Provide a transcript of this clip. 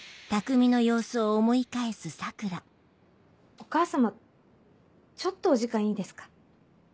お母様ちょっとお時間いいですか？